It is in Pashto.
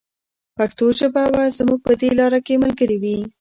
پښتو ژبه به زموږ په دې لاره کې ملګرې وي.